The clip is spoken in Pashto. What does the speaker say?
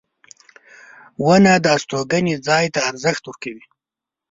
• ونه د استوګنې ځای ته ارزښت ورکوي.